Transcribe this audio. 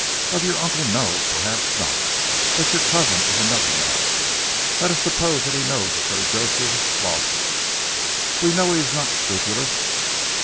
"Of your uncle. No! Perhaps not! But your cousin is another matter. Let us suppose that he knows of Sir Joseph's losses. We know he is not scrupulous.